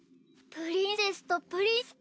プリンセスとプリンスか。